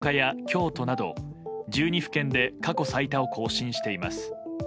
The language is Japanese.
福岡や京都など１２府県で過去最多を更新しています。